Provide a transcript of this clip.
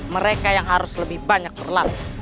mereka yang harus lebih banyak berlatih